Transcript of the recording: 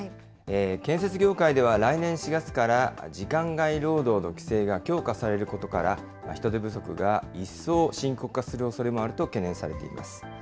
建設業界では、来年４月から時間外労働の規制が強化されることから、人手不足が一層深刻化するおそれもあると懸念されています。